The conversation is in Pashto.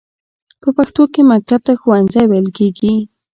په پښتو کې مکتب ته ښوونځی ویل کیږی.